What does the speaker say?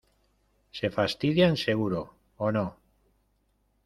se fastidian. seguro . o no .